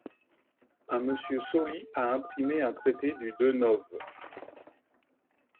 un Monsieur Sauli a imprimé un traité du deux nov.